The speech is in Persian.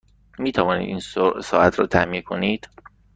می توانید این ساعت را تعمیر کنید؟